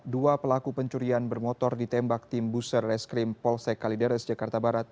dua pelaku pencurian bermotor ditembak tim buser reskrim polsek kalideres jakarta barat